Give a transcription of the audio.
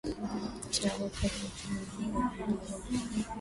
cha Hokkaido kiko ngambo ya mlango wa La